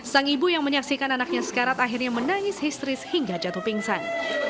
sang ibu yang menyaksikan anaknya sekarat akhirnya menangis histeris hingga jatuh pingsan